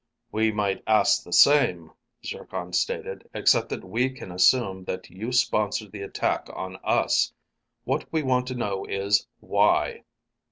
"We might ask the same," Zircon stated, "except that we can assume that you sponsored the attack on us. What we want to know is, why?"